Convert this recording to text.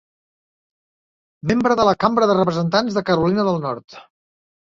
Membre de la Cambra de Representants de Carolina del Nord.